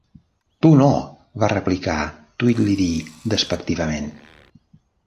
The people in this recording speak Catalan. "Tu no!", va replicar Tweedledee despectivament.